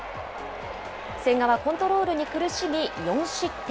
千賀はコントロールに苦しみ、４失点。